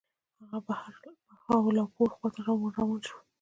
هغه بهاولپور خواته ور روان شو.